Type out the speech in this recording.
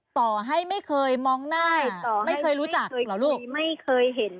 ต่อให้ไม่เคยมองหน้าไม่เคยรู้จักเหรอลูกไม่เคยเห็น